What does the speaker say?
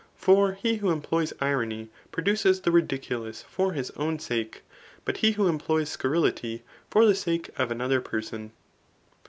For he who employs irony, produces the ridiculous for his own sake; but he who employs scurrility, for the sake of another person.